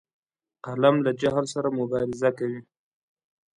قلم له جهل سره مبارزه کوي